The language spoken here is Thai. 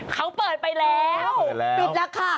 เขาเปิดไปแล้ว